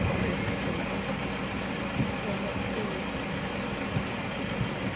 ถ้าไม่ได้ขออนุญาตมันคือจะมีโทษ